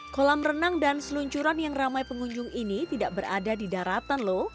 kolam renang dan seluncuran yang ramai pengunjung ini tidak berada di daratan lho